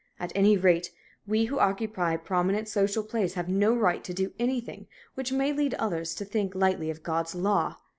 At any rate, we who occupy a prominent social place have no right to do anything which may lead others to think lightly of God's law.